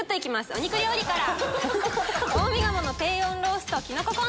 お肉料理から。